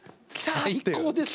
最高です。